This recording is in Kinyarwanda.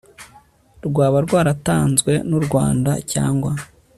rwaba rwaratanzwe n u rwanda cyangwa